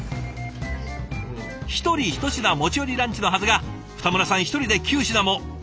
１人１品持ち寄りランチのはずが二村さん１人で９品も！